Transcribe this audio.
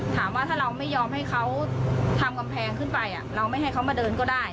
ถามว่าถ้าเราไม่ยอมให้เขาทำกำแพงขึ้นไปเราไม่ให้เขามาเดินก็ได้